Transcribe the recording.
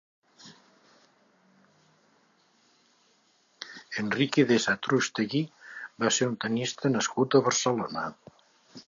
Enrique de Satrústegui va ser un tennista nascut a Barcelona.